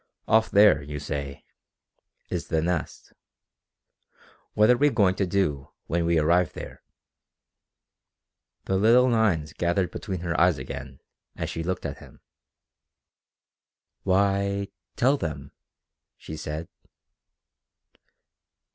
"Off there, you say, is the Nest. What are we going to do when we arrive there?" The little lines gathered between her eyes again as she looked at him. "Why tell them," she said.